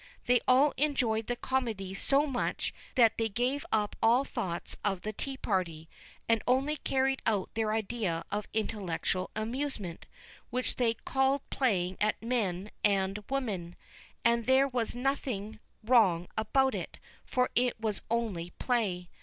They all enjoyed the comedy so much that they gave up all thoughts of the teaparty, and only carried out their idea of intellectual amusement, which they called playing at men and women; and there was nothing wrong about it, for it was only play.